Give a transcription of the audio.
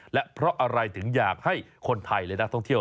และเพราะอะไรถึงอยากให้คนไทยและนักท่องเที่ยว